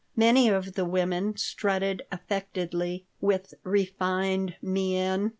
Many of the women strutted affectedly, with "refined" mien.